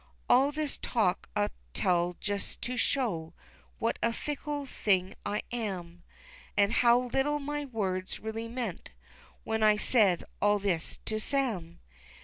All this talk I tell just to show What a fickle thing I am, An' how little my words really meant When I said all this to Sam.